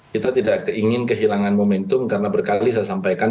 kita tidak ingin kehilangan momentum karena berkali saya sampaikan